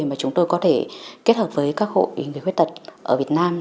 mà chúng tôi có thể kết hợp với các hội người khuyết tật ở việt nam